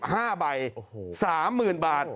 ๓หมื่นบาท